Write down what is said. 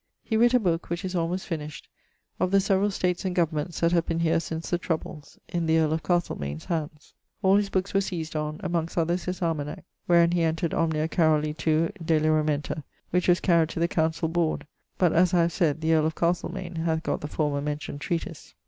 He writt a booke, which is almost finished, 'Of the severall states and goverments that have been here since the troubles,' in the earl of Castlemaine's hands. All his bookes were seised on; amongst others his almanac, wherin he entred omnia Caroli II deliramenta, which was carryed to the councell boord: but, as I have sayd, the earl of Castlemain hath gott the former mentioned treatise.